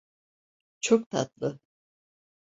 Çok tatlı.